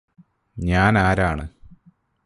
ഞാനാരാണ്